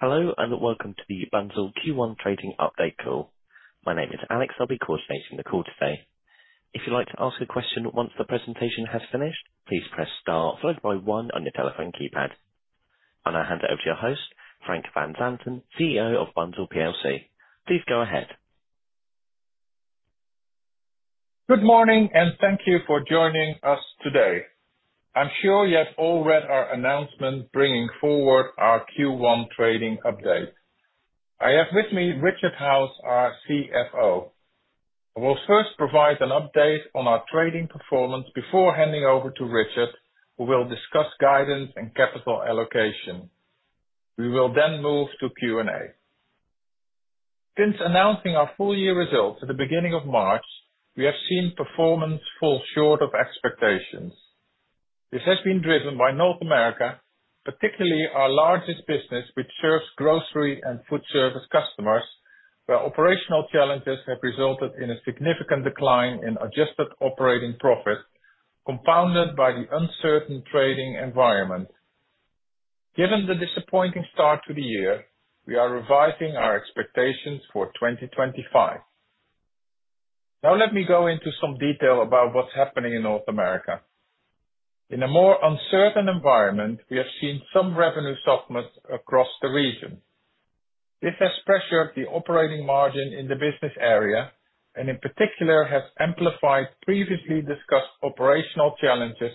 Hello, and welcome to the Bunzl Q1 Trading Update Call. My name is Alex. I'll be coordinating the call today. If you'd like to ask a question once the presentation has finished, please press star, followed by one on your telephone keypad. I'll now hand it over to your host, Frank van Zanten, CEO of Bunzl plc. Please go ahead. Good morning, and thank you for joining us today. I'm sure you have all read our announcement bringing forward our Q1 Trading Update. I have with me Richard Howes, our CFO. I will first provide an update on our trading performance before handing over to Richard, who will discuss guidance and capital allocation. We will then move to Q&A. Since announcing our full-year results at the beginning of March, we have seen performance fall short of expectations. This has been driven by North America, particularly our largest business, which serves grocery and food service customers, where operational challenges have resulted in a significant decline in adjusted operating profit, compounded by the uncertain trading environment. Given the disappointing start to the year, we are revising our expectations for 2025. Now, let me go into some detail about what's happening in North America. In a more uncertain environment, we have seen some revenue softness across the region. This has pressured the operating margin in the business area and, in particular, has amplified previously discussed operational challenges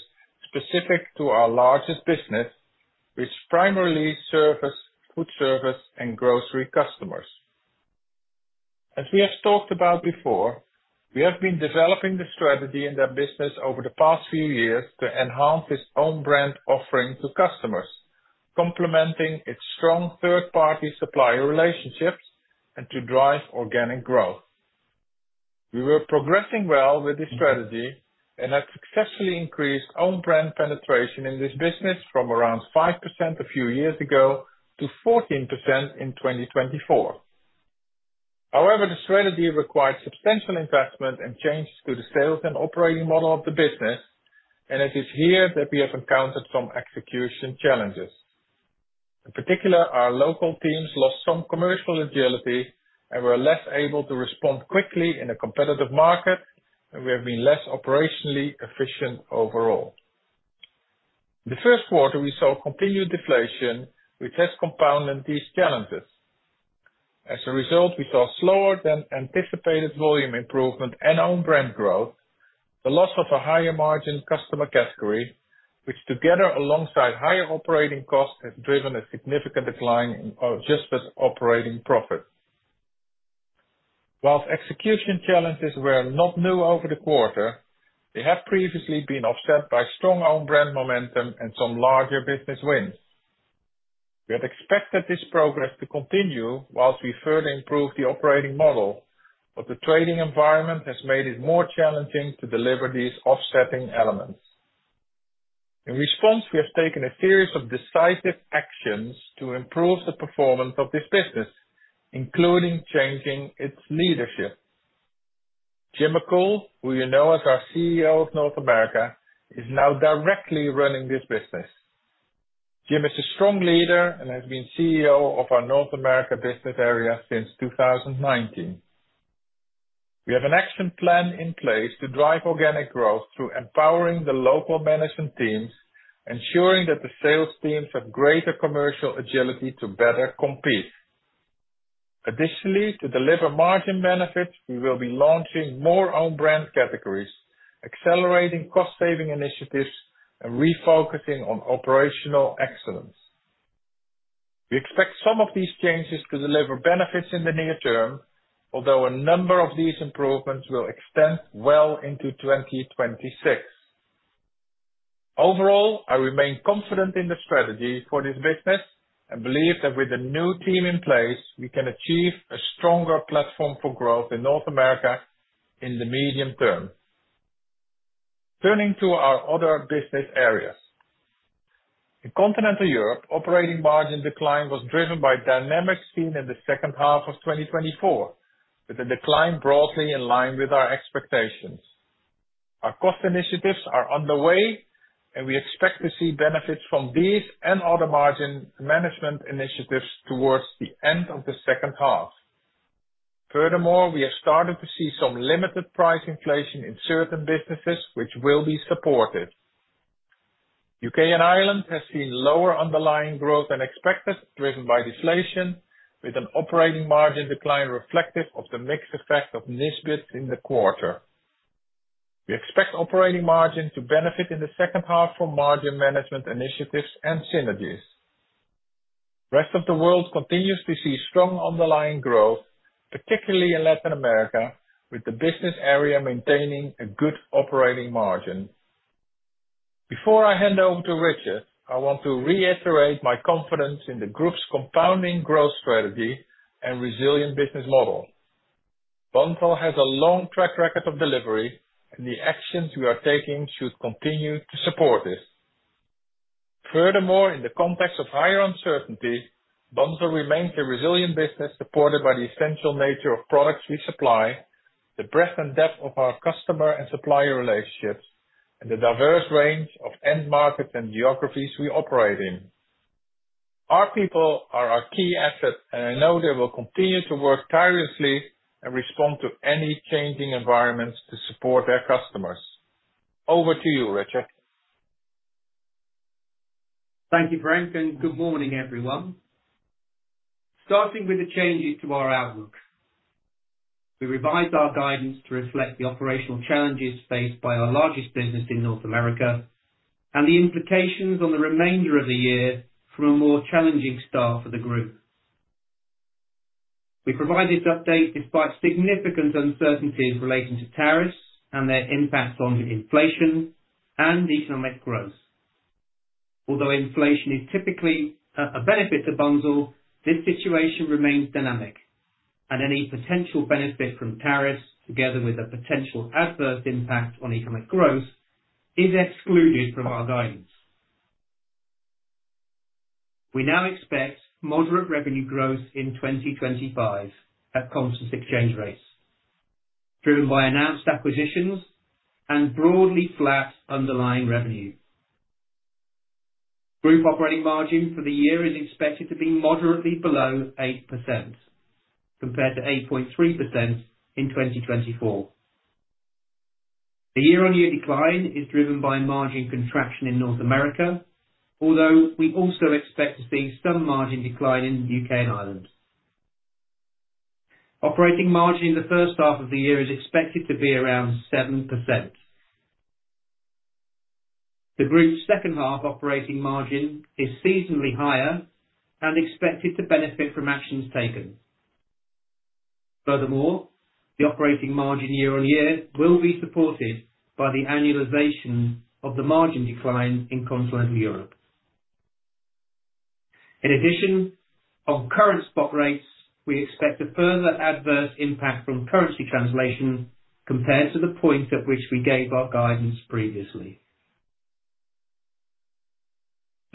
specific to our largest business, which primarily serves food service and grocery customers. As we have talked about before, we have been developing the strategy in our business over the past few years to enhance its own brand offering to customers, complementing its strong third-party supplier relationships and to drive organic growth. We were progressing well with this strategy and have successfully increased own brand penetration in this business from around 5% a few years ago to 14% in 2024. However, the strategy required substantial investment and changes to the sales and operating model of the business, and it is here that we have encountered some execution challenges. In particular, our local teams lost some commercial agility and were less able to respond quickly in a competitive market, and we have been less operationally efficient overall. In the first quarter, we saw continued deflation, which has compounded these challenges. As a result, we saw slower-than-anticipated volume improvement and own brand growth, the loss of a higher-margin customer category, which together, alongside higher operating costs, has driven a significant decline in adjusted operating profit. Whilst execution challenges were not new over the quarter, they have previously been offset by strong own brand momentum and some larger business wins. We had expected this progress to continue whilst we further improved the operating model, but the trading environment has made it more challenging to deliver these offsetting elements. In response, we have taken a series of decisive actions to improve the performance of this business, including changing its leadership. Jim McCool, who you know as our CEO of North America, is now directly running this business. Jim is a strong leader and has been CEO of our North America business area since 2019. We have an action plan in place to drive organic growth through empowering the local management teams, ensuring that the sales teams have greater commercial agility to better compete. Additionally, to deliver margin benefits, we will be launching more own brand categories, accelerating cost-saving initiatives, and refocusing on operational excellence. We expect some of these changes to deliver benefits in the near term, although a number of these improvements will extend well into 2026. Overall, I remain confident in the strategy for this business and believe that with the new team in place, we can achieve a stronger platform for growth in North America in the medium term. Turning to our other business areas, in Continental Europe, operating margin decline was driven by dynamics seen in the second half of 2024, with a decline broadly in line with our expectations. Our cost initiatives are underway, and we expect to see benefits from these and other margin management initiatives towards the end of the second half. Furthermore, we have started to see some limited price inflation in certain businesses, which will be supported. U.K. and Ireland have seen lower underlying growth than expected, driven by deflation, with an operating margin decline reflective of the mixed effect of Nisbets in the quarter. We expect operating margin to benefit in the second half from margin management initiatives and synergies. The Rest of the World continues to see strong underlying growth, particularly in Latin America, with the business area maintaining a good operating margin. Before I hand over to Richard, I want to reiterate my confidence in the Group's compounding growth strategy and resilient business model. Bunzl has a long track record of delivery, and the actions we are taking should continue to support this. Furthermore, in the context of higher uncertainty, Bunzl remains a resilient business supported by the essential nature of products we supply, the breadth and depth of our customer and supplier relationships, and the diverse range of end markets and geographies we operate in. Our people are our key asset, and I know they will continue to work tirelessly and respond to any changing environments to support their customers. Over to you, Richard. Thank you, Frank, and good morning, everyone. Starting with the changes to our outlook, we revised our guidance to reflect the operational challenges faced by our largest business in North America and the implications on the remainder of the year from a more challenging start for the Group. We provide this update despite significant uncertainties relating to tariffs and their impacts on inflation and economic growth. Although inflation is typically a benefit to Bunzl, this situation remains dynamic, and any potential benefit from tariffs, together with a potential adverse impact on economic growth, is excluded from our guidance. We now expect moderate revenue growth in 2025 at constant exchange rates, driven by announced acquisitions and broadly flat underlying revenue. Group operating margin for the year is expected to be moderately below 8% compared to 8.3% in 2024. The year-on-year decline is driven by margin contraction in North America, although we also expect to see some margin decline in the U.K. and Ireland. Operating margin in the first half of the year is expected to be around 7%. The Group's second half operating margin is seasonally higher and expected to benefit from actions taken. Furthermore, the operating margin year-on-year will be supported by the annualization of the margin decline in Continental Europe. In addition, on current spot rates, we expect a further adverse impact from currency translation compared to the point at which we gave our guidance previously.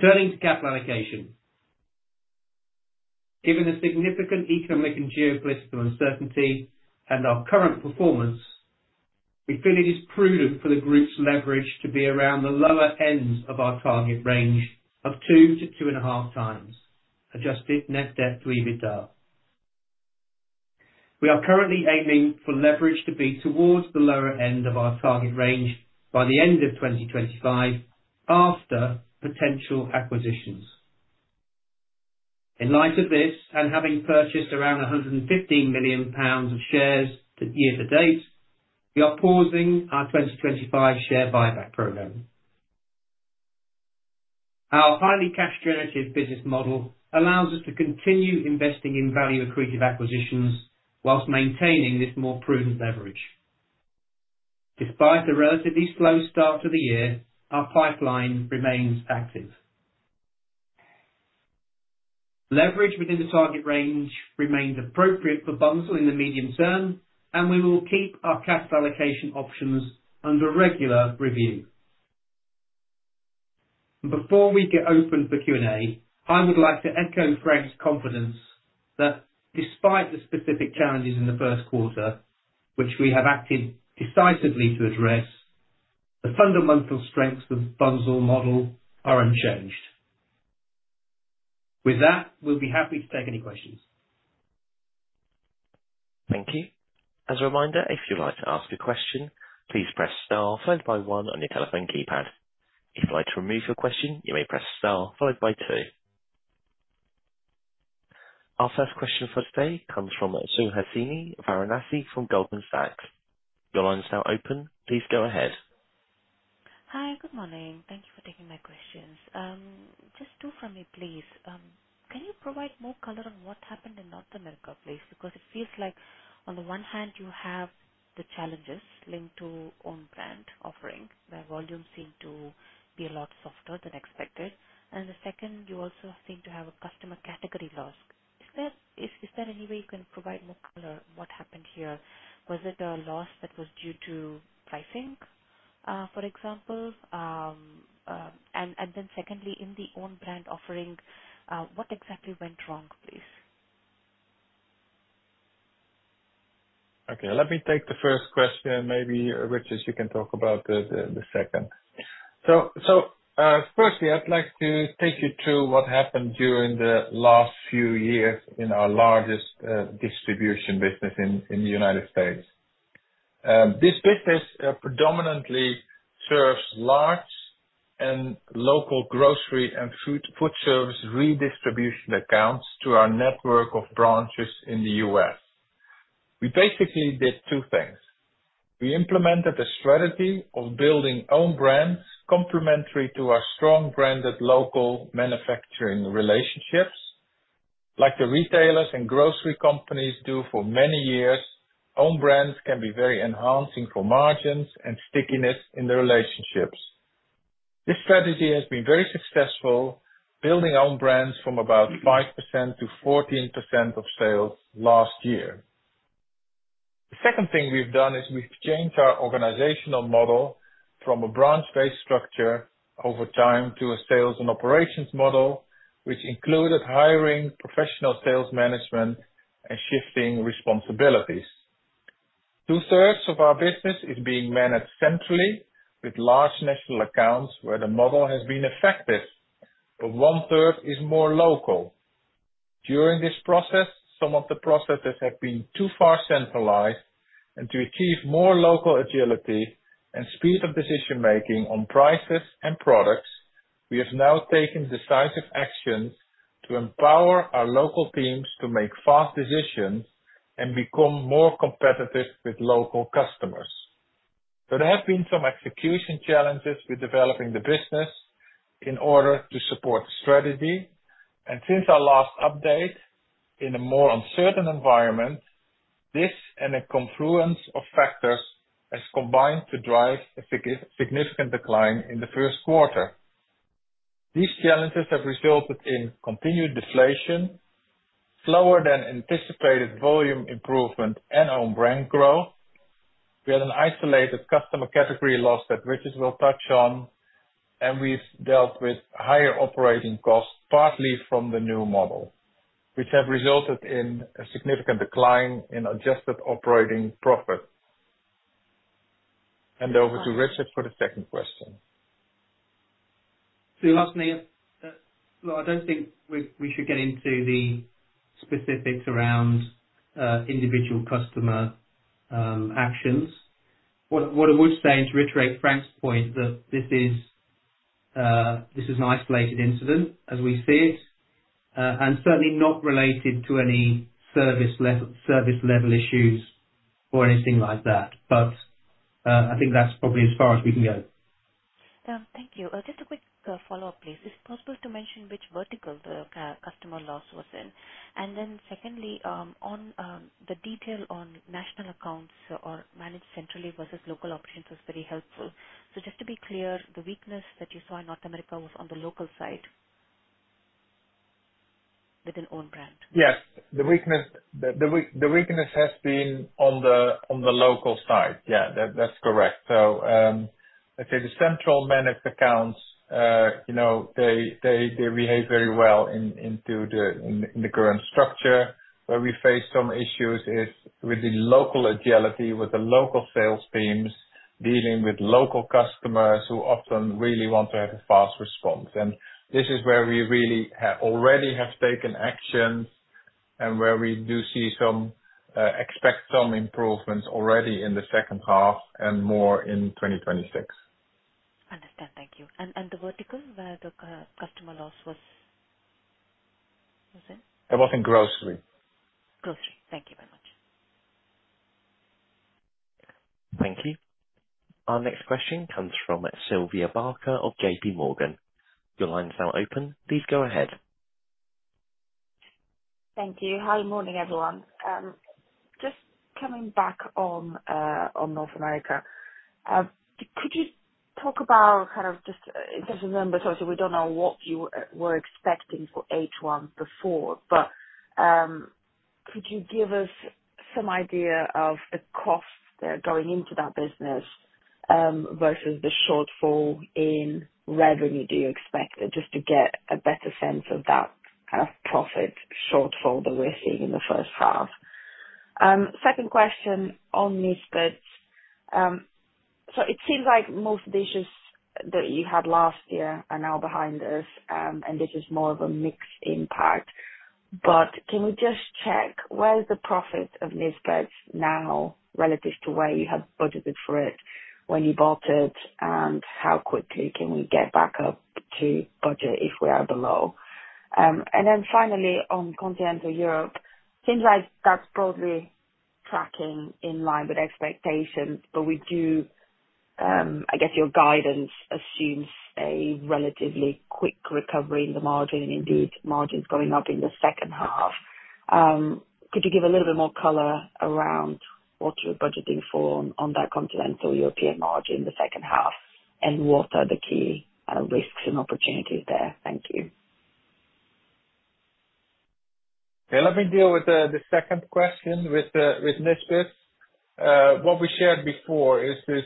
Turning to capital allocation, given the significant economic and geopolitical uncertainty and our current performance, we feel it is prudent for the Group's leverage to be around the lower ends of our target range of 2x-2.5x adjusted net debt to EBITDA. We are currently aiming for leverage to be towards the lower end of our target range by the end of 2025 after potential acquisitions. In light of this, and having purchased around 115 million pounds of shares year-to-date, we are pausing our 2025 share buyback program. Our highly cash-generative business model allows us to continue investing in value-accretive acquisitions whilst maintaining this more prudent leverage. Despite the relatively slow start to the year, our pipeline remains active. Leverage within the target range remains appropriate for Bunzl in the medium term, and we will keep our capital allocation options under regular review. Before we get open for Q&A, I would like to echo Frank's confidence that despite the specific challenges in the first quarter, which we have acted decisively to address, the fundamental strengths of the Bunzl model are unchanged. With that, we'll be happy to take any questions. Thank you. As a reminder, if you'd like to ask a question, please press star followed by one on your telephone keypad. If you'd like to remove your question, you may press star followed by two. Our first question for today comes from Suhasini Varanasi from Goldman Sachs. Your line is now open. Please go ahead. Hi, good morning. Thank you for taking my questions. Just two from me, please. Can you provide more color on what happened in North America, please? Because it feels like, on the one hand, you have the challenges linked to own brand offering, where volume seemed to be a lot softer than expected. The second, you also seem to have a customer category loss. Is there any way you can provide more color on what happened here? Was it a loss that was due to pricing, for example? Secondly, in the own brand offering, what exactly went wrong, please? Okay. Let me take the first question, and maybe, Richard, you can talk about the second. Firstly, I'd like to take you through what happened during the last few years in our largest distribution business in the United States. This business predominantly serves large and local grocery and food service redistribution accounts to our network of branches in the U.S. We basically did two things. We implemented a strategy of building own brands complementary to our strong branded local manufacturing relationships. Like the retailers and grocery companies do for many years, own brands can be very enhancing for margins and stickiness in the relationships. This strategy has been very successful, building own brands from about 5%-14% of sales last year. The second thing we've done is we've changed our organizational model from a branch-based structure over time to a sales and operations model, which included hiring professional sales management and shifting responsibilities. Two-thirds of our business is being managed centrally with large national accounts, where the model has been effective, but 1/3 is more local. During this process, some of the processes have been too far centralized, and to achieve more local agility and speed of decision-making on prices and products, we have now taken decisive actions to empower our local teams to make fast decisions and become more competitive with local customers. There have been some execution challenges with developing the business in order to support the strategy, and since our last update in a more uncertain environment, this and a confluence of factors has combined to drive a significant decline in the first quarter. These challenges have resulted in continued deflation, slower-than-anticipated volume improvement, and own brand growth. We had an isolated customer category loss that Richard will touch on, and we have dealt with higher operating costs partly from the new model, which have resulted in a significant decline in adjusted operating profit. Over to Richard for the second question. Suhasini, look, I don't think we should get into the specifics around individual customer actions. What I would say, and to reiterate Frank's point, that this is an isolated incident as we see it, and certainly not related to any service-level issues or anything like that. I think that's probably as far as we can go. Thank you. Just a quick follow-up, please. Is it possible to mention which vertical the customer loss was in? The detail on national accounts or managed centrally versus local operations was very helpful. Just to be clear, the weakness that you saw in North America was on the local side within own brand? Yes. The weakness has been on the local side. Yeah, that's correct. I'd say the central managed accounts, they behave very well in the current structure. Where we face some issues is with the local agility, with the local sales teams dealing with local customers who often really want to have a fast response. This is where we really already have taken action and where we do see some, expect some improvements already in the second half and more in 2026. Understand. Thank you. The vertical where the customer loss was in? It was in grocery. Grocery. Thank you very much. Thank you. Our next question comes from Sylvia Barker of JPMorgan. Your line is now open. Please go ahead. Thank you. Hi, morning, everyone. Just coming back on North America, could you talk about kind of just remember, so we do not know what you were expecting for H1 before, but could you give us some idea of the costs going into that business versus the shortfall in revenue you expect just to get a better sense of that kind of profit shortfall that we are seeing in the first half? Second question on Nisbets. It seems like most of the issues that you had last year are now behind us, and this is more of a mixed impact. Can we just check where is the profit of Nisbets now relative to where you have budgeted for it when you bought it, and how quickly can we get back up to budget if we are below? Finally, on Continental Europe, it seems like that's broadly tracking in line with expectations, but we do, I guess your guidance assumes a relatively quick recovery in the margin, and indeed, margins going up in the second half. Could you give a little bit more color around what you're budgeting for on that Continental European margin in the second half, and what are the key risks and opportunities there? Thank you. Okay. Let me deal with the second question with Nisbets. What we shared before is this,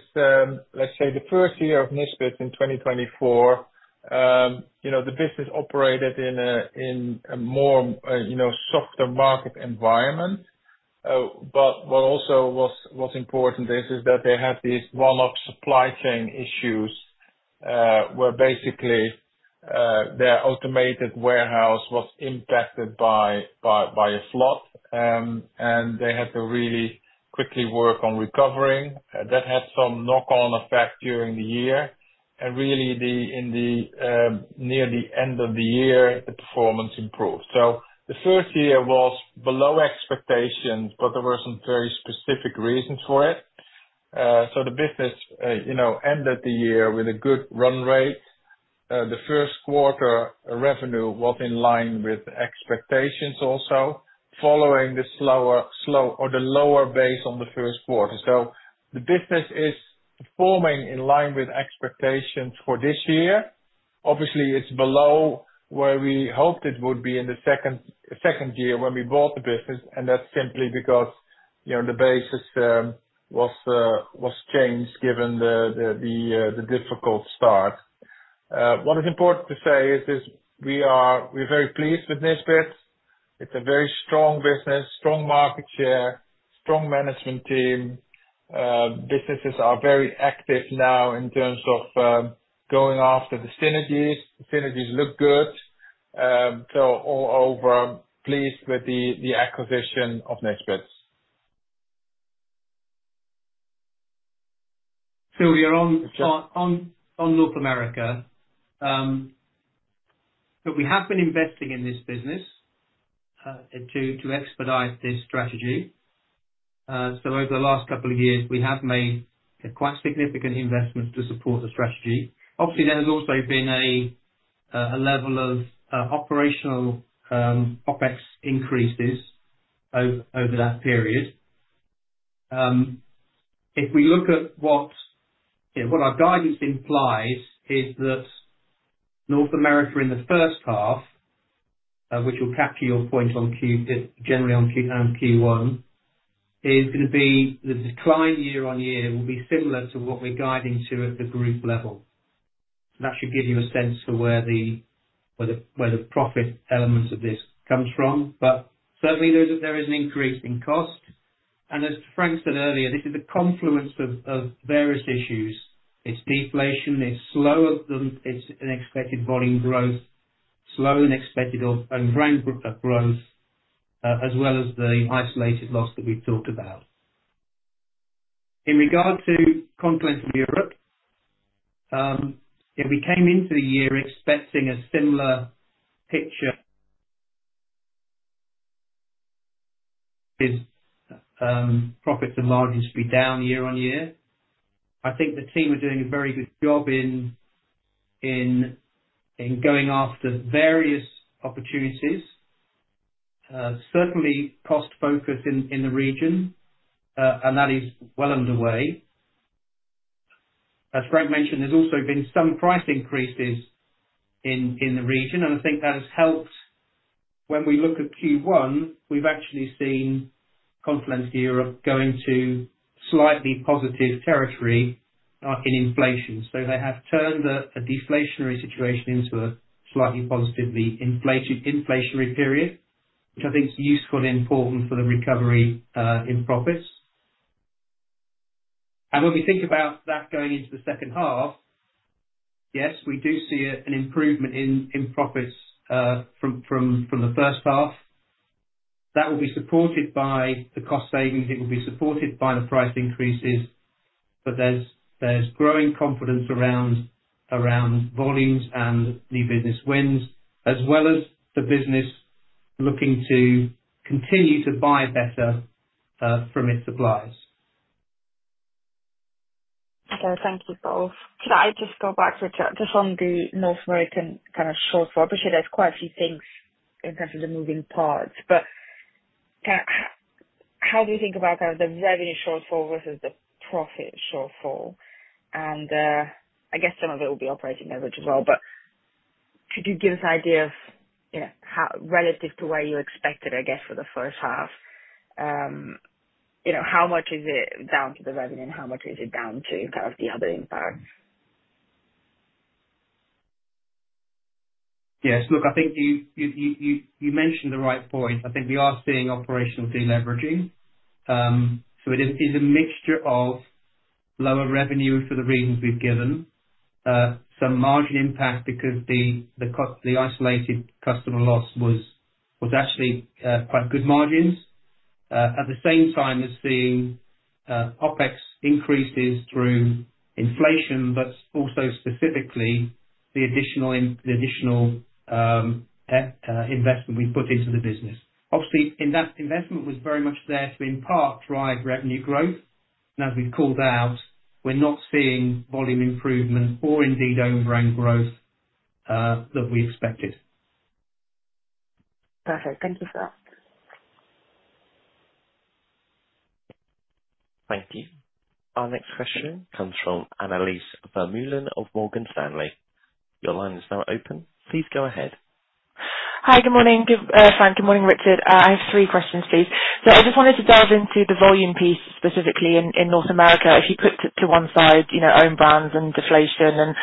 let's say, the first year of Nisbets in 2024, the business operated in a more softer market environment. What also was important is that they had these one-off supply chain issues where basically their automated warehouse was impacted by a flood, and they had to really quickly work on recovering. That had some knock-on effect during the year. Really, near the end of the year, the performance improved. The first year was below expectations, but there were some very specific reasons for it. The business ended the year with a good run rate. The first quarter revenue was in line with expectations also, following the slower or the lower base on the first quarter. The business is performing in line with expectations for this year. Obviously, it's below where we hoped it would be in the second year when we bought the business, and that's simply because the basis was changed given the difficult start. What is important to say is this: we are very pleased with Nisbets. It's a very strong business, strong market share, strong management team. Businesses are very active now in terms of going after the synergies. The synergies look good. All over, pleased with the acquisition of Nisbets. We are on North America. We have been investing in this business to expedite this strategy. Over the last couple of years, we have made quite significant investments to support the strategy. Obviously, there has also been a level of operational OpEx increases over that period. If we look at what our guidance implies, North America, in the first half, which will capture your point generally on Q1, is going to be the decline year-on-year will be similar to what we are guiding to at the Group level. That should give you a sense for where the profit element of this comes from. Certainly, there is an increase in cost. As Frank said earlier, this is a confluence of various issues. It is deflation. It's slower than it's an expected volume growth, slower than expected own brand growth, as well as the isolated loss that we've talked about. In regard to Continental Europe, we came into the year expecting a similar picture. Profits and margins to be down year-on-year. I think the team are doing a very good job in going after various opportunities, certainly cost focus in the region, and that is well underway. As Frank mentioned, there's also been some price increases in the region, and I think that has helped. When we look at Q1, we've actually seen Continental Europe go into slightly positive territory in inflation. They have turned a deflationary situation into a slightly positively inflationary period, which I think is useful and important for the recovery in profits. When we think about that going into the second half, yes, we do see an improvement in profits from the first half. That will be supported by the cost savings. It will be supported by the price increases. There is growing confidence around volumes and new business wins, as well as the business looking to continue to buy better from its suppliers. Okay. Thank you both. Could I just go back, Richard, just on the North American kind of shortfall? I appreciate there's quite a few things in terms of the moving parts. How do you think about kind of the revenue shortfall versus the profit shortfall? I guess some of it will be operating leverage as well. Could you give us an idea of relative to where you expected, I guess, for the first half? How much is it down to the revenue, and how much is it down to kind of the other impacts? Yes. Look, I think you mentioned the right point. I think we are seeing operational deleveraging. It is a mixture of lower revenue for the reasons we've given, some margin impact because the isolated customer loss was actually quite good margins. At the same time, we're seeing OpEx increases through inflation, but also specifically the additional investment we put into the business. Obviously, that investment was very much there to, in part, drive revenue growth. As we've called out, we're not seeing volume improvement or indeed own brand growth that we expected. Perfect. Thank you for that. Thank you. Our next question comes from Annelies Vermeulen of Morgan Stanley. Your line is now open. Please go ahead. Hi. Good morning, Frank. Good morning, Richard. I have three questions, please. I just wanted to delve into the volume piece specifically in North America. If you put to one side own brands and deflation and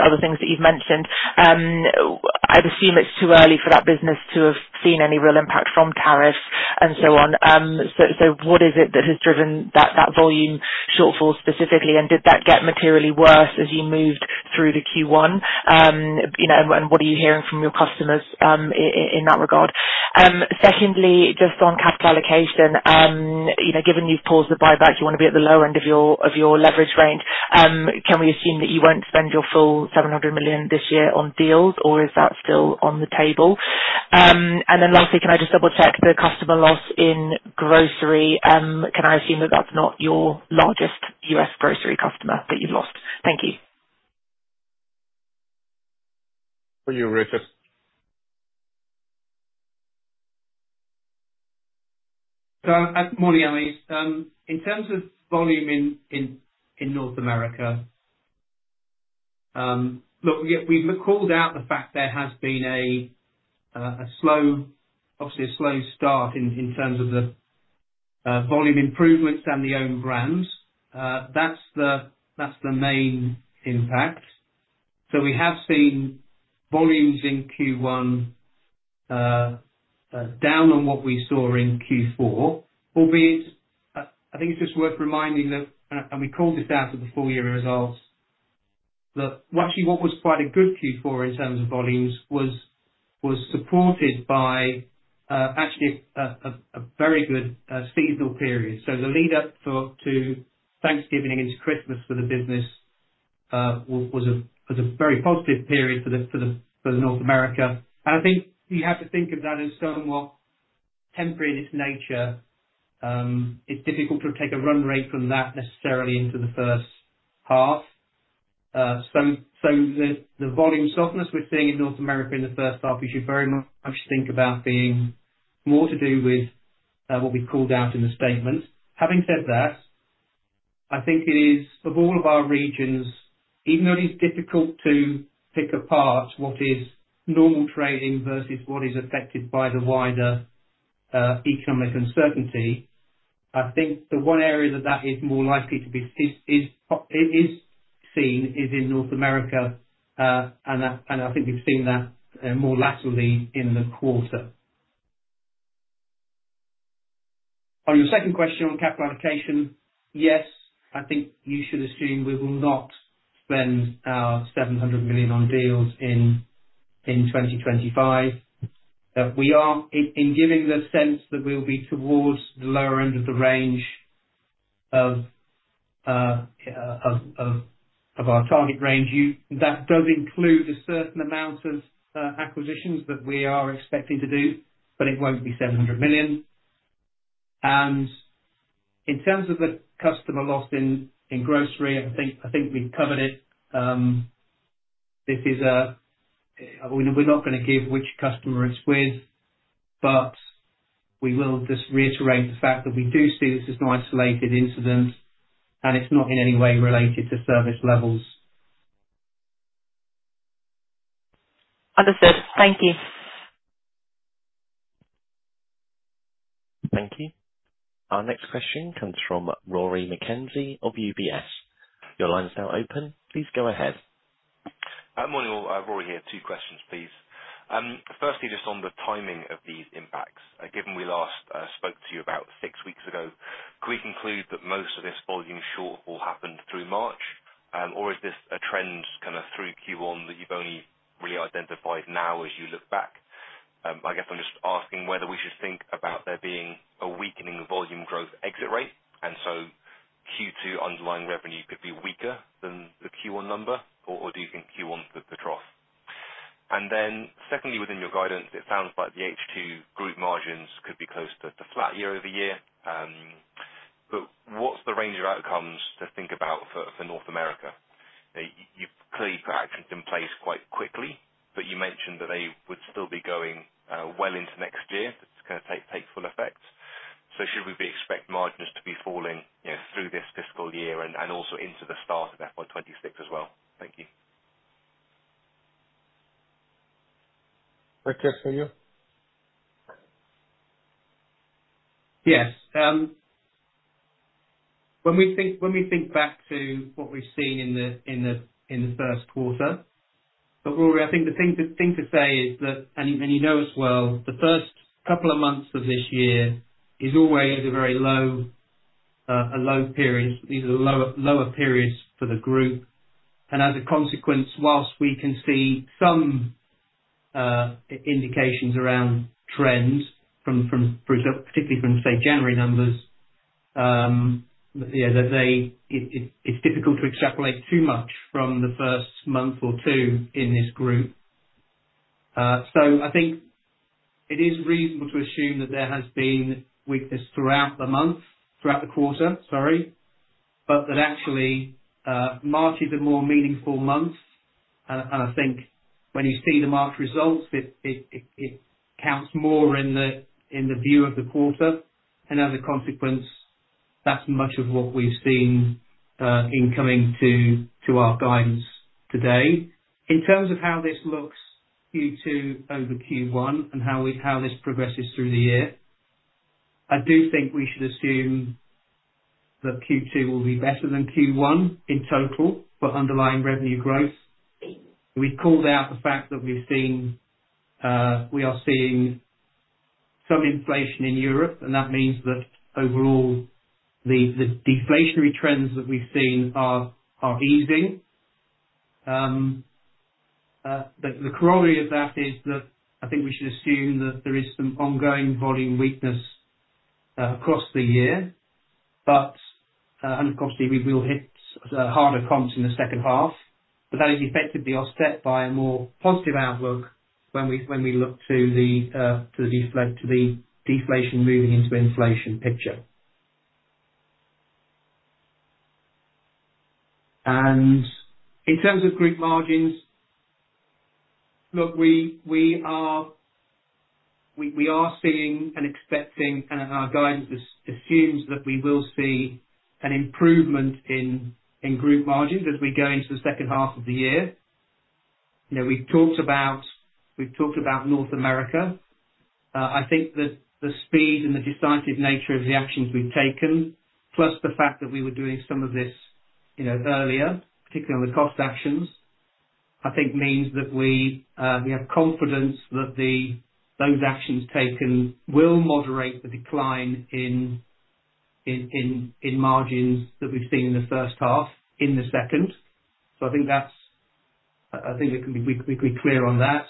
other things that you've mentioned, I'd assume it's too early for that business to have seen any real impact from tariffs and so on. What is it that has driven that volume shortfall specifically? Did that get materially worse as you moved through to Q1? What are you hearing from your customers in that regard? Secondly, just on capital allocation, given you've paused the buyback, you want to be at the low end of your leverage range. Can we assume that you won't spend your full 700 million this year on deals, or is that still on the table? Lastly, can I just double-check the customer loss in grocery? Can I assume that that's not your largest US grocery customer that you've lost? Thank you. For you, Richard. Morning, Annelies. In terms of volume in North America, look, we've called out the fact there has been obviously a slow start in terms of the volume improvements and the own brands. That's the main impact. We have seen volumes in Q1 down on what we saw in Q4, albeit I think it's just worth reminding that, and we called this out at the full year results, that actually what was quite a good Q4 in terms of volumes was supported by actually a very good seasonal period. The lead-up to Thanksgiving and into Christmas for the business was a very positive period for North America. I think we have to think of that as somewhat temporary in its nature. It's difficult to take a run rate from that necessarily into the first half. The volume softness we're seeing in North America in the first half, we should very much think about being more to do with what we called out in the statement. Having said that, I think it is, of all of our regions, even though it is difficult to pick apart what is normal trading versus what is affected by the wider economic uncertainty, I think the one area that that is more likely to be seen is in North America. I think we've seen that more laterally in the quarter. On your second question on capital allocation, yes, I think you should assume we will not spend 700 million on deals in 2025. We are, in giving the sense that we'll be towards the lower end of the range of our target range, that does include a certain amount of acquisitions that we are expecting to do, but it won't be $700 million. In terms of the customer loss in grocery, I think we've covered it. We're not going to give which customer it's with, but we will just reiterate the fact that we do see this as an isolated incident, and it's not in any way related to service levels. Understood. Thank you. Thank you. Our next question comes from Rory McKenzie of UBS. Your line is now open. Please go ahead. Good morning, Rory. I have two questions, please. Firstly, just on the timing of these impacts. Given we last spoke to you about six weeks ago, could we conclude that most of this volume shortfall happened through March, or is this a trend kind of through Q1 that you've only really identified now as you look back? I guess I'm just asking whether we should think about there being a weakening volume growth exit rate, and Q2 underlying revenue could be weaker than the Q1 number, or do you think Q1's the trough? Secondly, within your guidance, it sounds like the H2 Group margins could be close to flat year-over-year. What is the range of outcomes to think about for North America? You've clearly put actions in place quite quickly, but you mentioned that they would still be going well into next year to kind of take full effect. Should we be expecting margins to be falling through this fiscal year and also into the start of FY 2026 as well? Thank you. Richard, for you. Yes. When we think back to what we've seen in the first quarter, Rory, I think the thing to say is that, and you know as well, the first couple of months of this year is always a very low period. These are the lower periods for the Group. As a consequence, whilst we can see some indications around trends, particularly from, say, January numbers, it's difficult to extrapolate too much from the first month or two in this group. I think it is reasonable to assume that there has been weakness throughout the quarter, sorry, but that actually March is a more meaningful month. I think when you see the March results, it counts more in the view of the quarter. As a consequence, that's much of what we've seen in coming to our guidance today. In terms of how this looks Q2 over Q1 and how this progresses through the year, I do think we should assume that Q2 will be better than Q1 in total for underlying revenue growth. We have called out the fact that we are seeing some inflation in Europe, and that means that overall, the deflationary trends that we have seen are easing. The corollary of that is that I think we should assume that there is some ongoing volume weakness across the year. Of course, we will hit harder comps in the second half, but that is effectively offset by a more positive outlook when we look to the deflation moving into inflation picture. In terms of group margins, look, we are seeing and expecting, and our guidance assumes that we will see an improvement in group margins as we go into the second half of the year. We've talked about North America. I think that the speed and the decisive nature of the actions we've taken, plus the fact that we were doing some of this earlier, particularly on the cost actions, I think means that we have confidence that those actions taken will moderate the decline in margins that we've seen in the first half in the second. I think we can be clear on that.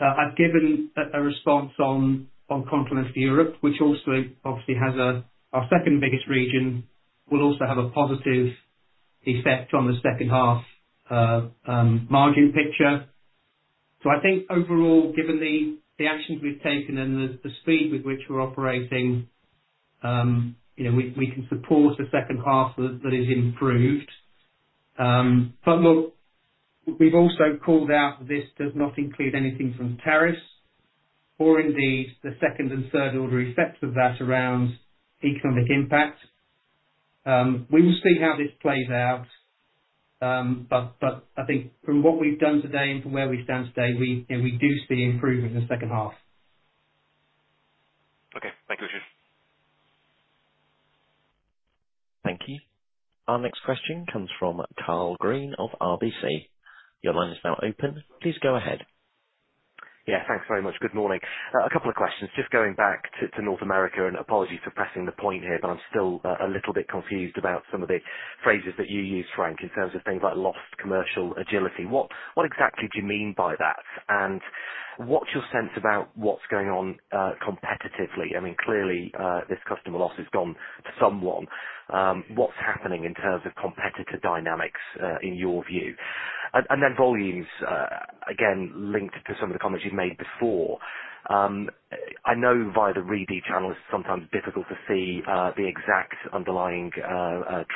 I've given a response on Continental Europe, which also obviously has our second biggest region, will also have a positive effect on the second half margin picture. I think overall, given the actions we've taken and the speed with which we're operating, we can support a second half that is improved. Look, we've also called out this does not include anything from tariffs or indeed the second and third order effects of that around economic impact. We will see how this plays out, but I think from what we've done today and from where we stand today, we do see improvement in the second half. Okay. Thank you, Richard. Thank you. Our next question comes from Karl Green of RBC. Your line is now open. Please go ahead. Yeah. Thanks very much. Good morning. A couple of questions. Just going back to North America, and apologies for pressing the point here, but I'm still a little bit confused about some of the phrases that you used, Frank, in terms of things like lost commercial agility. What exactly do you mean by that? What is your sense about what's going on competitively? I mean, clearly, this customer loss has gone to someone. What is happening in terms of competitor dynamics in your view? Volumes, again, linked to some of the comments you've made before. I know via the Re-D channel it's sometimes difficult to see the exact underlying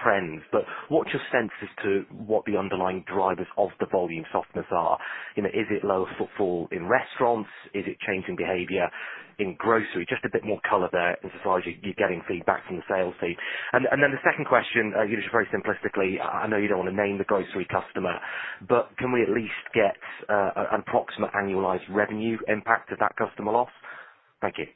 trends, but what is your sense as to what the underlying drivers of the volume softness are? Is it lower footfall in restaurants? Is it changing behavior in grocery? Just a bit more color there in society. You're getting feedback from the sales team. The second question, just very simplistically, I know you don't want to name the grocery customer, but can we at least get an approximate annualized revenue impact of that customer loss? Thank you.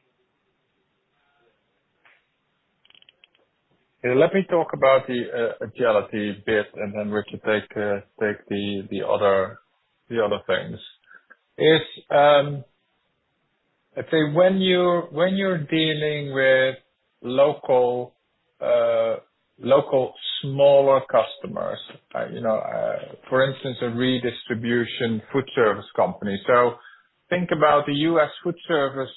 Let me talk about the agility bit and then Richard take the other things. I'd say when you're dealing with local smaller customers, for instance, a redistribution food service company, think about the U.S. food service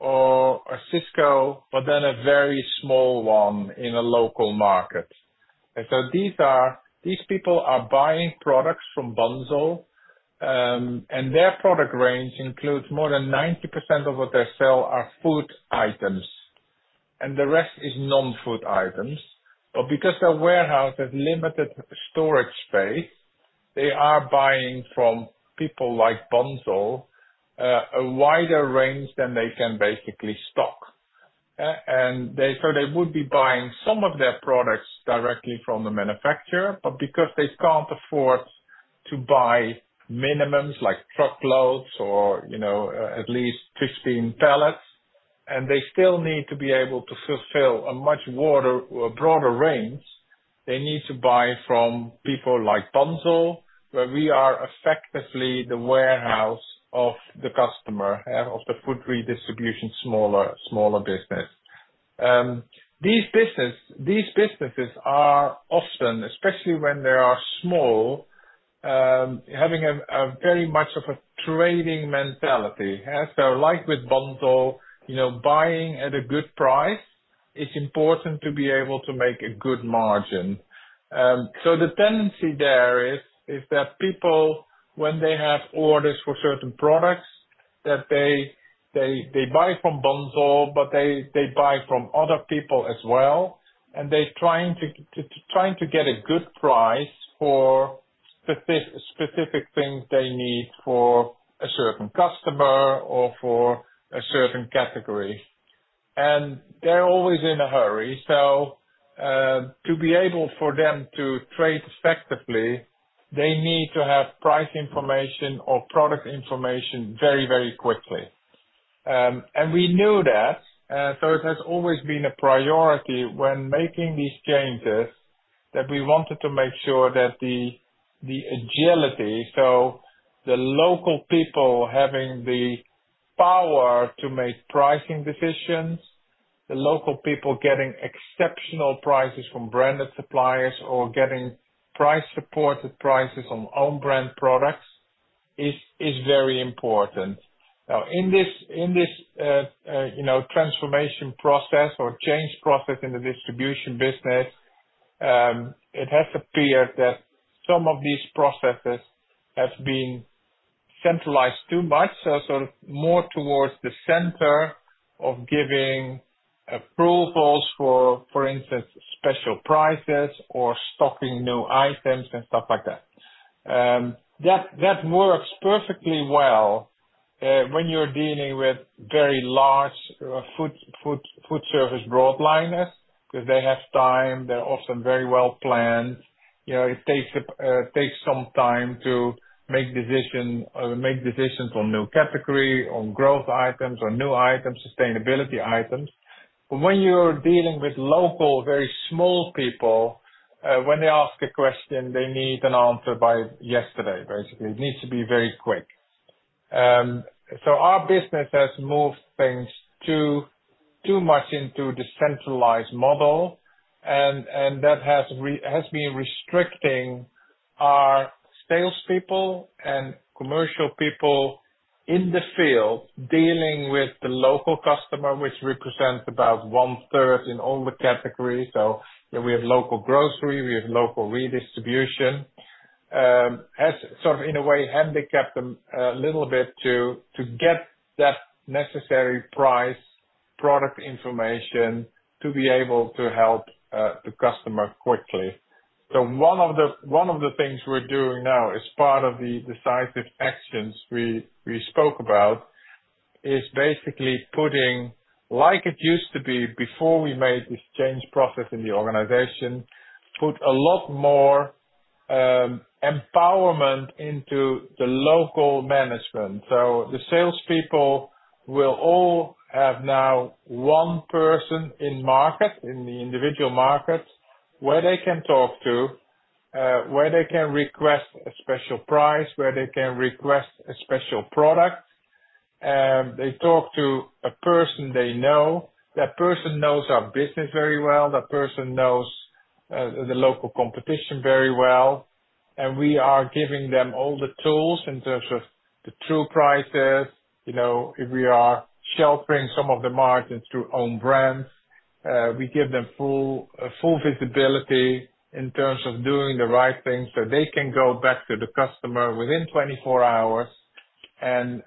or a Sysco, but then a very small one in a local market. These people are buying products from Bunzl, and their product range includes more than 90% of what they sell are food items, and the rest is non-food items. Because their warehouse has limited storage space, they are buying from people like Bunzl a wider range than they can basically stock. They would be buying some of their products directly from the manufacturer, but because they cannot afford to buy minimums like truckloads or at least 15 pallets, and they still need to be able to fulfill a much broader range, they need to buy from people like Bunzl, where we are effectively the warehouse of the customer, of the food redistribution smaller business. These businesses are often, especially when they are small, having very much of a trading mentality. Like with Bunzl, buying at a good price is important to be able to make a good margin. The tendency there is that people, when they have orders for certain products, buy from Bunzl, but they buy from other people as well, and they are trying to get a good price for specific things they need for a certain customer or for a certain category. They're always in a hurry. To be able for them to trade effectively, they need to have price information or product information very, very quickly. We knew that, so it has always been a priority when making these changes that we wanted to make sure that the agility, so the local people having the power to make pricing decisions, the local people getting exceptional prices from branded suppliers or getting price-supported prices on own-brand products is very important. Now, in this transformation process or change process in the distribution business, it has appeared that some of these processes have been centralized too much, more towards the center of giving approvals for, for instance, special prices or stocking new items and stuff like that. That works perfectly well when you're dealing with very large food service broadliners because they have time, they're often very well planned. It takes some time to make decisions on new category, on growth items, on new items, sustainability items. When you're dealing with local, very small people, when they ask a question, they need an answer by yesterday, basically. It needs to be very quick. Our business has moved things too much into the centralised model, and that has been restricting our salespeople and commercial people in the field dealing with the local customer, which represents about 1/3 in all the categories. We have local grocery, we have local redistribution, has sort of, in a way, handicapped them a little bit to get that necessary price, product information to be able to help the customer quickly. One of the things we're doing now as part of the decisive actions we spoke about is basically putting, like it used to be before we made this change process in the organization, a lot more empowerment into the local management. The salespeople will all have now one person in market, in the individual market, where they can talk to, where they can request a special price, where they can request a special product. They talk to a person they know. That person knows our business very well. That person knows the local competition very well. We are giving them all the tools in terms of the true prices. We are sheltering some of the margins through own brands. We give them full visibility in terms of doing the right thing so they can go back to the customer within 24 hours and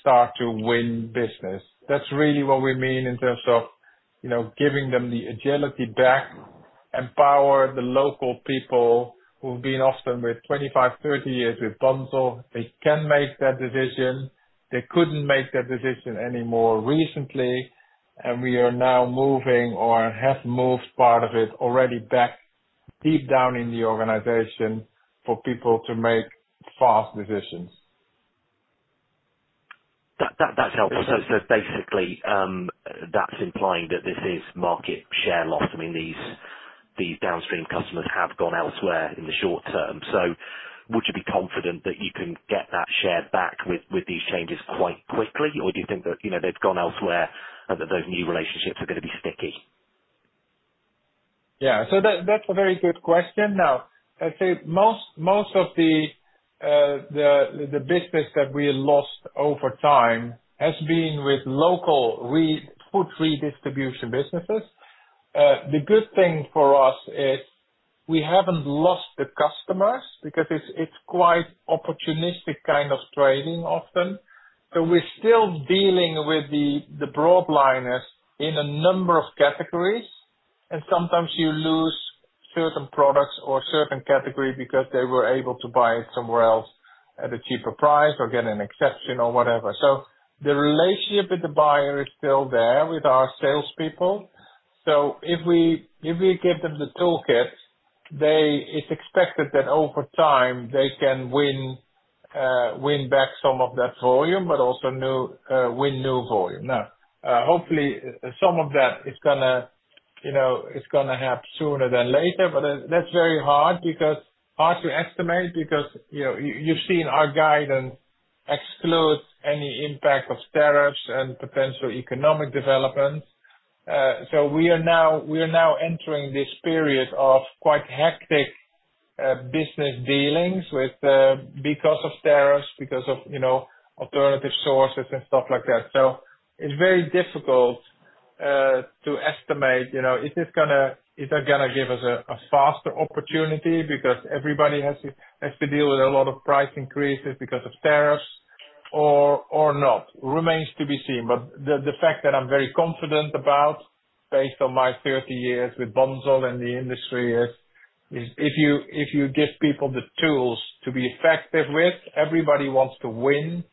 start to win business. That is really what we mean in terms of giving them the agility back, empower the local people who have been often with 25, 30 years with Bunzl. They can make that decision. They could not make that decision anymore recently, and we are now moving or have moved part of it already back deep down in the organization for people to make fast decisions. That's helpful. Basically, that's implying that this is market share loss. I mean, these downstream customers have gone elsewhere in the short term. Would you be confident that you can get that share back with these changes quite quickly, or do you think that they've gone elsewhere and that those new relationships are going to be sticky? Yeah. That's a very good question. I'd say most of the business that we lost over time has been with local food redistribution businesses. The good thing for us is we haven't lost the customers because it's quite opportunistic kind of trading often. We're still dealing with the broadliners in a number of categories, and sometimes you lose certain products or certain categories because they were able to buy it somewhere else at a cheaper price or get an exception or whatever. The relationship with the buyer is still there with our salespeople. If we give them the toolkit, it's expected that over time they can win back some of that volume, but also win new volume. Now, hopefully, some of that is going to happen sooner than later, but that's very hard to estimate because you've seen our guidance exclude any impact of tariffs and potential economic developments. We are now entering this period of quite hectic business dealings because of tariffs, because of alternative sources and stuff like that. It's very difficult to estimate if they're going to give us a faster opportunity because everybody has to deal with a lot of price increases because of tariffs or not. Remains to be seen. The fact that I'm very confident about, based on my 30 years with Bunzl and the industry, is if you give people the tools to be effective with, everybody wants to win.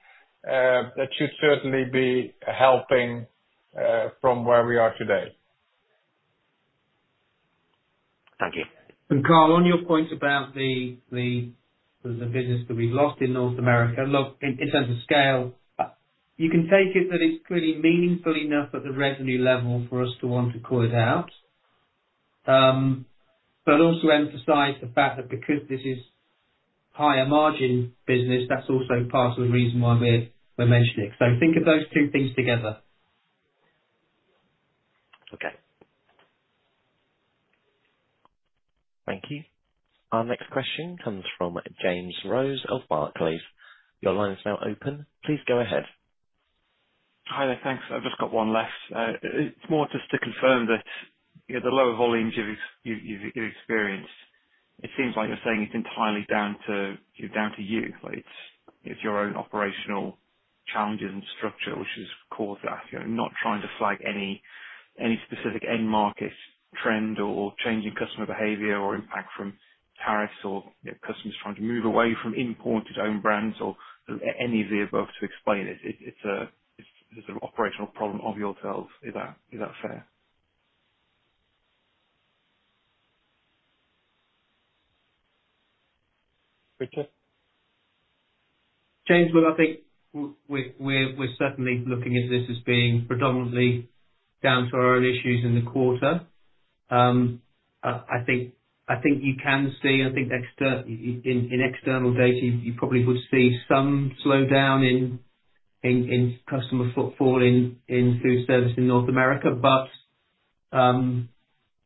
That should certainly be helping from where we are today. Thank you. Carl, on your point about the business that we've lost in North America, look, in terms of scale, you can take it that it's clearly meaningful enough at the revenue level for us to want to call it out, but also emphasize the fact that because this is a higher margin business, that's also part of the reason why we're mentioning it. Think of those two things together. Okay. Thank you. Our next question comes from James Rose of Barclays. Your line is now open. Please go ahead. Hi there. Thanks. I've just got one left. It's more just to confirm that the lower volumes you've experienced, it seems like you're saying it's entirely down to you. It's your own operational challenges and structure which has caused that. Not trying to flag any specific end market trend or changing customer behavior or impact from tariffs or customers trying to move away from imported own brands or any of the above to explain it. It's an operational problem of yourselves. Is that fair? Richard? James, look, I think we're certainly looking at this as being predominantly down to our own issues in the quarter. I think you can see, I think, in external data, you probably would see some slowdown in customer footfall in food service in North America, but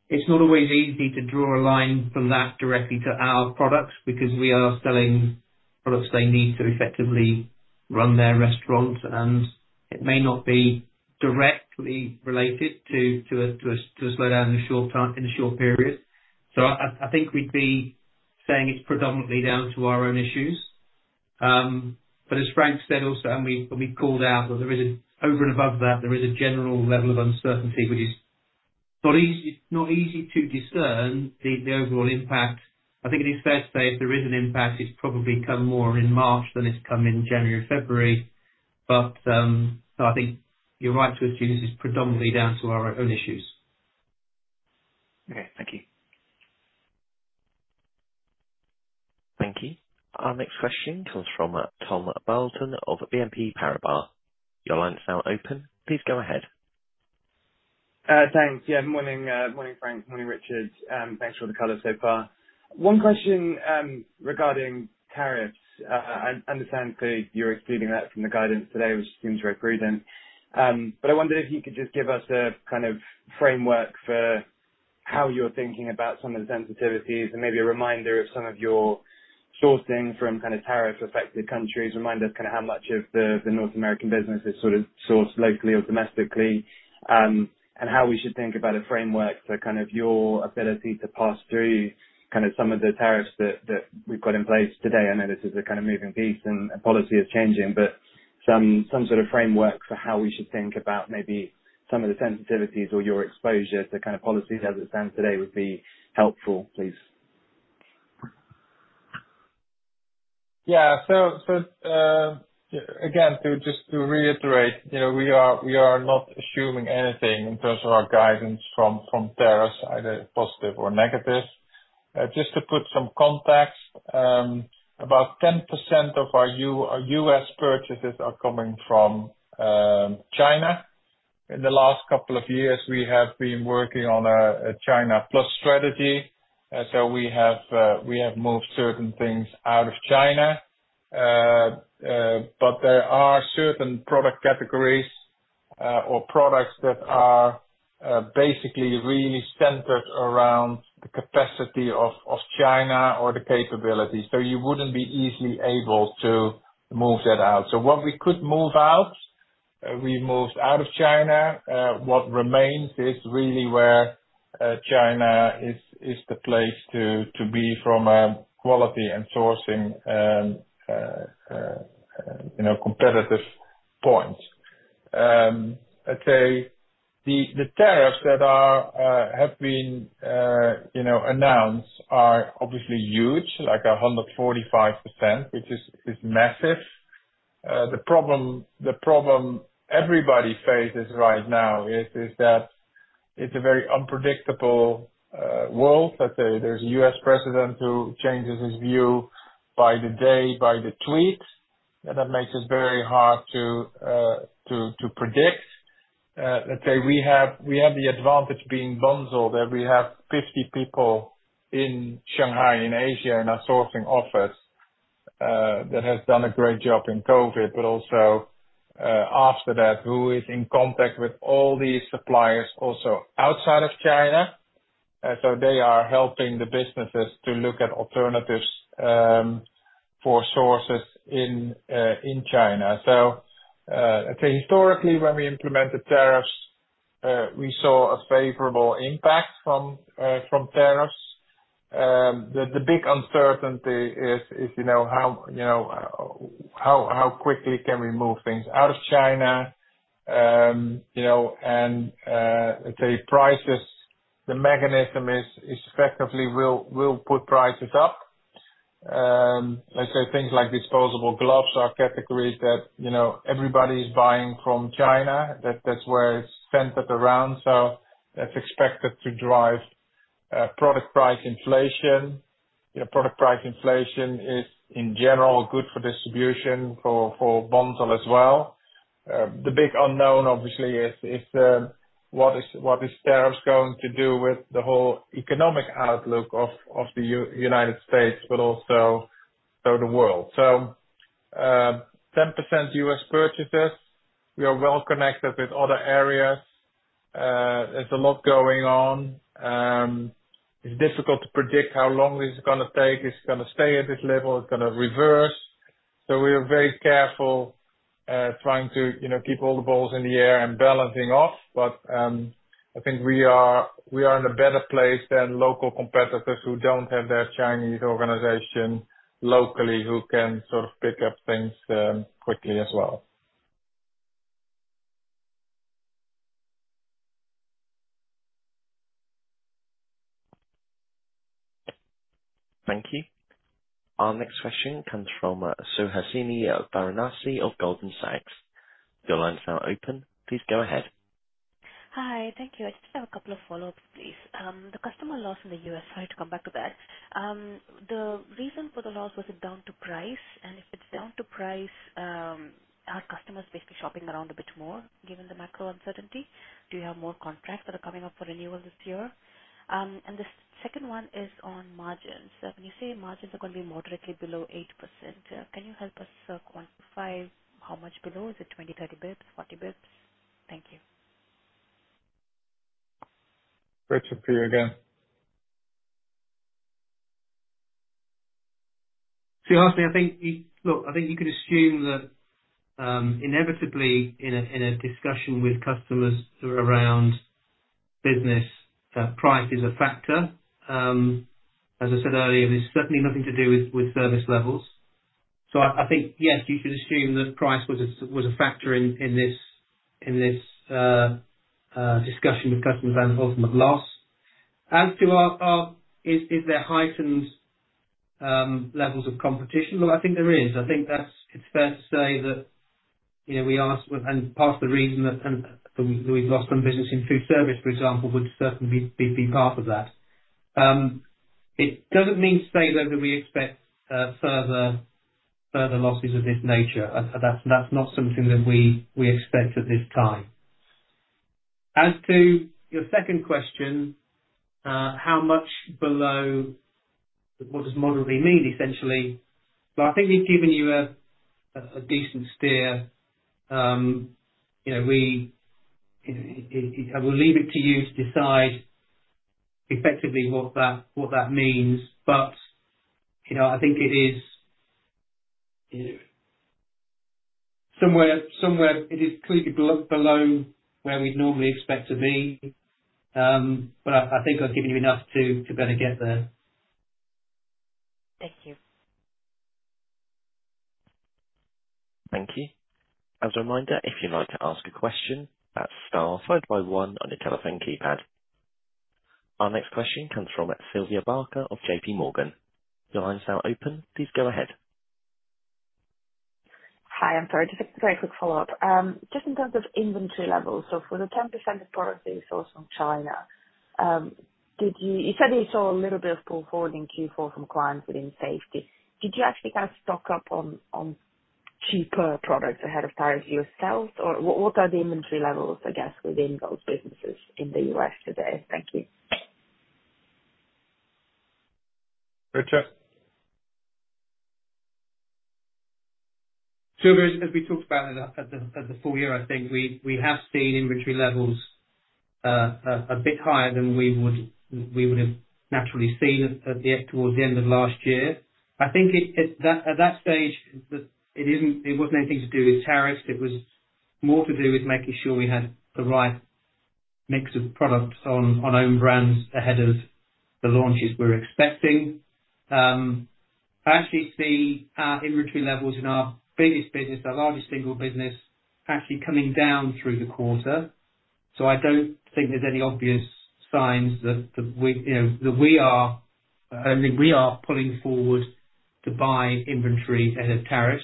it's not always easy to draw a line from that directly to our products because we are selling products they need to effectively run their restaurants, and it may not be directly related to a slowdown in the short period. I think we'd be saying it's predominantly down to our own issues. As Frank said also, and we've called out that over and above that, there is a general level of uncertainty, which is not easy to discern the overall impact. I think it is fair to say if there is an impact, it's probably come more in March than it's come in January and February. I think you're right to assume this is predominantly down to our own issues. Okay. Thank you. Thank you. Our next question comes from Tom Burlton of BNP Paribas. Your line is now open. Please go ahead. Thanks. Yeah. Morning, Frank. Morning, Richard. Thanks for the color so far. One question regarding tariffs. I understand that you're excluding that from the guidance today, which seems very prudent. I wondered if you could just give us a kind of framework for how you're thinking about some of the sensitivities and maybe a reminder of some of your sourcing from kind of tariff-affected countries, remind us kind of how much of the North American business is sort of sourced locally or domestically, and how we should think about a framework for kind of your ability to pass through kind of some of the tariffs that we've got in place today. I know this is a kind of moving piece, and policy is changing, but some sort of framework for how we should think about maybe some of the sensitivities or your exposure to kind of policy as it stands today would be helpful, please. Yeah. Just to reiterate, we are not assuming anything in terms of our guidance from tariffs, either positive or negative. Just to put some context, about 10% of our U.S. purchases are coming from China. In the last couple of years, we have been working on a China-plus strategy. We have moved certain things out of China. There are certain product categories or products that are really centered around the capacity of China or the capability. You would not be easily able to move that out. What we could move out, we have moved out of China. What remains is really where China is the place to be from a quality and sourcing competitive point. I would say the tariffs that have been announced are obviously huge, like 145%, which is massive. The problem everybody faces right now is that it is a very unpredictable world. Let's say there's a U.S. president who changes his view by the day, by the tweet, and that makes it very hard to predict. Let's say we have the advantage being Bunzl that we have 50 people in Shanghai, in Asia, in our sourcing office that has done a great job in COVID, but also after that, who is in contact with all these suppliers also outside of China. They are helping the businesses to look at alternatives for sources in China. I'd say historically, when we implemented tariffs, we saw a favorable impact from tariffs. The big uncertainty is how quickly can we move things out of China and, let's say, prices. The mechanism is effectively we'll put prices up. Let's say things like disposable gloves are categories that everybody is buying from China. That's where it's centered around. That's expected to drive product price inflation. Product price inflation is, in general, good for distribution for Bunzl as well. The big unknown, obviously, is what is tariffs going to do with the whole economic outlook of the United States, but also the world. 10% U.S. purchases. We are well connected with other areas. There's a lot going on. It's difficult to predict how long this is going to take. Is it going to stay at this level? Is it going to reverse? We are very careful trying to keep all the balls in the air and balancing off. I think we are in a better place than local competitors who don't have their Chinese organization locally who can sort of pick up things quickly as well. Thank you. Our next question comes from Suhasini Varanasi of Goldman Sachs. Your line is now open. Please go ahead. Hi. Thank you. I just have a couple of follow-ups, please. The customer loss in the U.S., sorry to come back to that. The reason for the loss, was it down to price? If it's down to price, are customers basically shopping around a bit more given the macro uncertainty? Do you have more contracts that are coming up for renewal this year? The second one is on margins. When you say margins are going to be moderately below 8%, can you help us quantify how much below? Is it 20, 30 basis points, 40 basis points? Thank you. Richard, for you again. Suhasini, I think you could assume that inevitably, in a discussion with customers around business, price is a factor. As I said earlier, there's certainly nothing to do with service levels. I think, yes, you should assume that price was a factor in this discussion with customers and ultimate loss. As to is there heightened levels of competition? Look, I think there is. I think it's fair to say that we asked, and part of the reason that we've lost some business in food service, for example, would certainly be part of that. It doesn't mean today that we expect further losses of this nature. That's not something that we expect at this time. As to your second question, how much below what does moderately mean, essentially? I think we've given you a decent steer. We'll leave it to you to decide effectively what that means. I think it is somewhere it is clearly below where we'd normally expect to be. I think I've given you enough to better get there. Thank you. Thank you. As a reminder, if you'd like to ask a question, that's star five five one on your telephone keypad. Our next question comes from Sylvia Barker of JPMorgan. Your line is now open. Please go ahead. Hi. I'm sorry. Just a very quick follow-up. Just in terms of inventory levels, for the 10% of products that we source from China, you said you saw a little bit of poor holding Q4 from clients within safety. Did you actually kind of stock up on cheaper products ahead of tariffs yourself? Or what are the inventory levels, I guess, within those businesses in the U.S. today? Thank you. Richard. As we talked about at the full year, I think we have seen inventory levels a bit higher than we would have naturally seen towards the end of last year. I think at that stage, it was not anything to do with tariffs. It was more to do with making sure we had the right mix of products on own brands ahead of the launches we are expecting. I actually see our inventory levels in our biggest business, our largest single business, actually coming down through the quarter. I do not think there are any obvious signs that we are—I do not think we are pulling forward to buy inventory ahead of tariffs.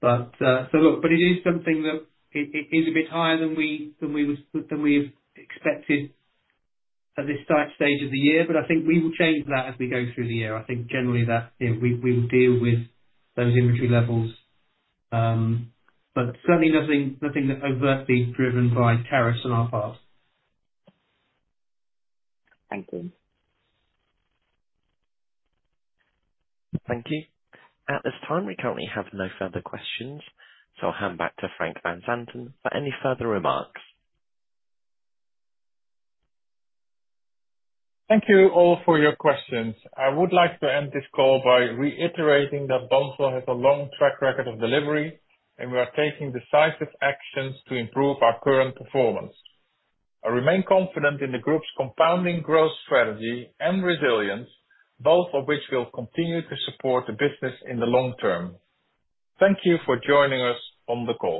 Look, it is something that is a bit higher than we have expected at this stage of the year. I think we will change that as we go through the year. I think generally that we will deal with those inventory levels. Certainly nothing that's overtly driven by tariffs on our part. Thank you. Thank you. At this time, we currently have no further questions. I will hand back to Frank van Zanten for any further remarks. Thank you all for your questions. I would like to end this call by reiterating that Bunzl has a long track record of delivery, and we are taking decisive actions to improve our current performance. I remain confident in the Group's compounding growth strategy and resilience, both of which will continue to support the business in the long term. Thank you for joining us on the call.